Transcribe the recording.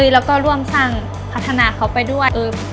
แล้วก็ร่วมสร้างพัฒนาเขาไปด้วย